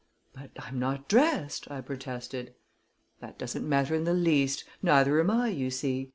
"But I'm not dressed," I protested. "That doesn't matter in the least neither am I, you see.